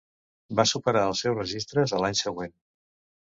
Va superar els seus registres a l'any següent.